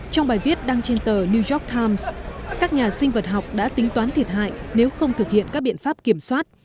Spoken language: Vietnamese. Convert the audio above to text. trong bài viết đăng trên tờ new york times các nhà sinh vật học đã tính toán thiệt hại nếu không thực hiện các biện pháp kiểm soát